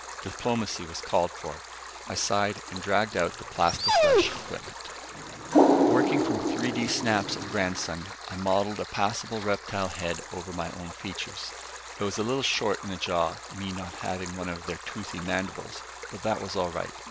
Diplomacy was called for. I sighed and dragged out the plastiflesh equipment. Working from 3D snaps of Grandson, I modeled a passable reptile head over my own features. It was a little short in the jaw, me not having one of their toothy mandibles, but that was all right.